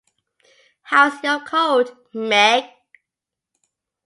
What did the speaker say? How is your cold, Meg?